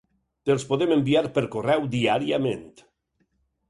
Te'ls podem enviar per correu diàriament.